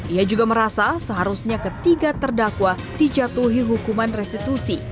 ia juga merasa seharusnya ketiga terdakwa dijatuhi hukuman restitusi